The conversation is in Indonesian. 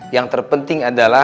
yang terpenting adalah